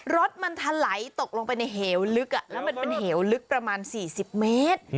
รถมันทะไหลตกลงไปในเหวลึกแล้วมันเป็นเหวลึกประมาณ๔๐เมตร